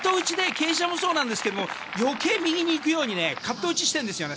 傾斜もそうなんですけど余計右に行くようにカット打ちしてるんですよ。